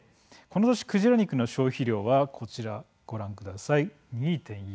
この年、クジラ肉の消費量はこちらご覧ください。